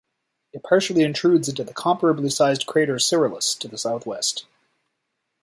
It partially intrudes into the comparably sized crater Cyrillus to the southwest.